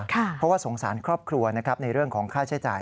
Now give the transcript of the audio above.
เพราะว่าสงสารครอบครัวนะครับในเรื่องของค่าใช้จ่าย